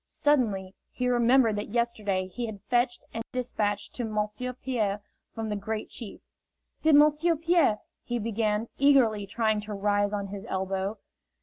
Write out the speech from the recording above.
Suddenly he remembered that yesterday he had fetched a despatch to Monsieur Pierre from the Great Chief "Did M'sieu' Pierre " he began, eagerly, trying to rise on his elbow.